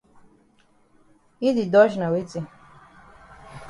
Yi di dodge na weti?